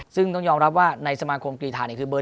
ซึ่งต้องยอมรับว่าในสมาคมกรีธาเนี่ยคือเบอร์